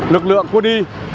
lực lượng của đi